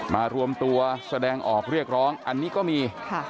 รวมตัวแสดงออกเรียกร้องอันนี้ก็มี